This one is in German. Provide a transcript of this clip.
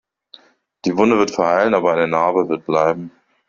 Die Wunde wird verheilen, aber eine Narbe wird bleiben.